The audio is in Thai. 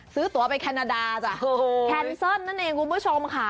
ซื้อตัวไปแคนาดาจ้ะแคนเซิลนั่นเองคุณผู้ชมค่ะ